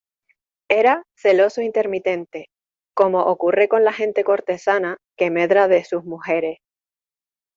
era celoso intermitente, como ocurre con la gente cortesana que medra de sus mujeres.